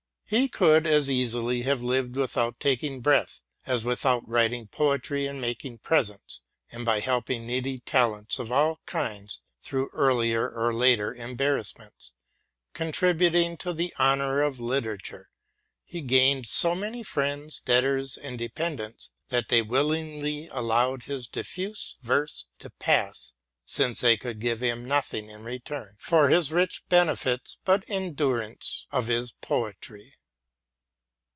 He 12 TRUTH AND FICTION could as easily have lived without taking breath as without writing poetry and making presents ; and, by helping needy talents of all kinds through earlier or later embarrassments, contributing to the honor of literature, he gained so many friends, debtors, and dependents, that they willingly allowed his diffuse verses to pass, since they could give him nothing in return for his rich benefits but endurance of his poetry.